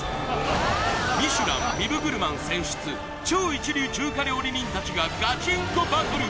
ミシュランビブグルマン選出超一流中華料理人達がガチンコバトル